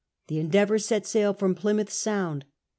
The Endeavour set sail from Ply mouth Sound.